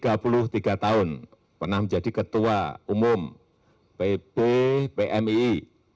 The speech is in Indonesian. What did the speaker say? aminuddin ma'ruf umurnya tiga puluh tiga tahun pernah menjadi ketua umum pbi